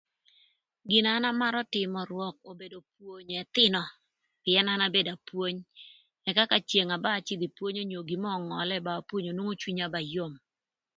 Gin na an amarö tïmö rwök obedo pwonyo ëthïnö, pïën an abedo apwony, ëka ka ceng na ba acïdhö ï pwony onyo gin mörö öngölë ba apwonyo nwongo cwinya ba yom.